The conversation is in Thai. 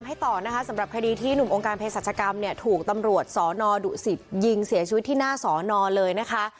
ให้ต่อนะคะสำหรับคดีที่หนุ่มองค์การเพศรัชกรรมเนี่ยถูกตำรวจสอนอดุสิตยิงเสียชีวิตที่หน้าสอนอเลยนะคะ